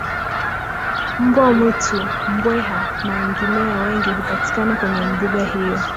mbwa mwitu mbweha na wengineo Wengi hupatikana Kwenye mbuga hiyo